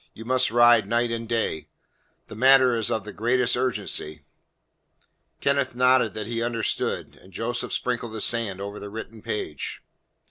You must ride night and day; the matter is of the greatest urgency." Kenneth nodded that he understood, and Joseph sprinkled the sand over the written page.